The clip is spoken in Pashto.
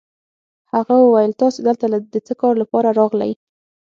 هغه وویل: تاسي دلته د څه کار لپاره راغلئ؟